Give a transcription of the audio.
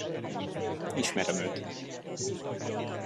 Ismerem őt.